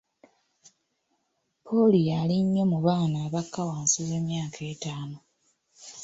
Ppoliyo ali nnyo mu baana abakka wansi w'emyaka ettaano.